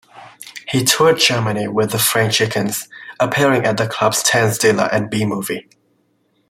He toured Germany with the Frank Chickens, appearing at the clubs Tanzdiele and B-Movie.